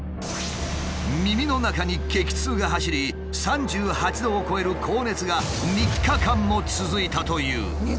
耳の中に激痛が走り３８度を超える高熱が３日間も続いたという。